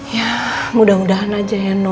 ya mudah mudahan aja ya